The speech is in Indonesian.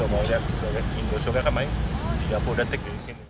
mau lihat ingin bersuka kan main tiga puluh detik